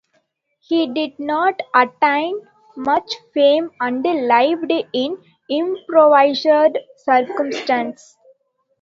He did not attain much fame and lived in impoverished circumstances.